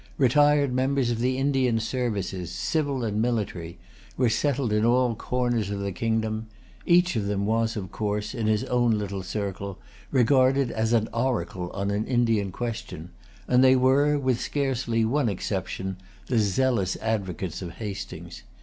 Retired members of the Indian services, civil and military, were settled in all corners of the kingdom. Each of them was, of course, in his own little circle, regarded as an oracle on an Indian question; and they were, with scarcely one exception, the zealous advocates of Hastings.